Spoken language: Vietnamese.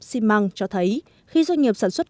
xi măng cho thấy khi doanh nghiệp sản xuất